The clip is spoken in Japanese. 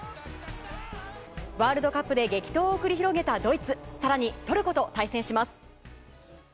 ワールドカップで激闘を繰り広げたドイツ更に、トルコと対戦します。